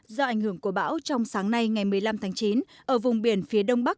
do ảnh hưởng của bão trong sáng nay ngày một mươi năm tháng chín